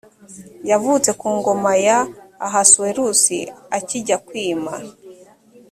yavutse ku ngoma ya ahasuwerusi akijya kwima